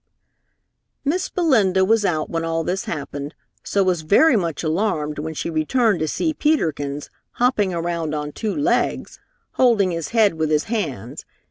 Miss Belinda was out when all this happened, so was very much alarmed when she returned to see Peter Kins hopping around on two legs, holding his head with his hands.